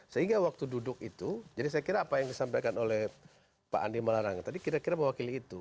sehingga waktu duduk itu jadi saya kira apa yang disampaikan oleh pak andi malarang tadi kira kira mewakili itu